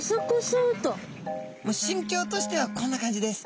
もう心境としてはこんな感じです。